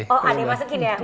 oh ada yang masukin ya